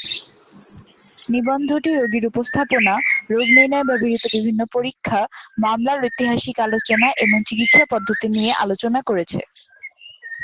নিবন্ধটি রোগীর উপস্থাপনা, রোগ নির্ণয়ে ব্যবহৃত বিভিন্ন পরীক্ষা, মামলার ঐতিহাসিক আলোচনা এবং চিকিৎসা পদ্ধতি নিয়ে আলোচনা করেছে।